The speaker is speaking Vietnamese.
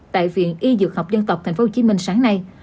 tại viện y dược học dân tộc tp hcm sáng nay